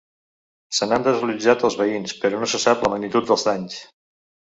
Se n’han desallotjat els veïns, però no se sap la magnitud dels danys.